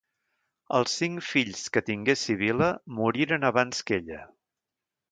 Els cinc fills que tingué Sibil·la moriren abans que ella.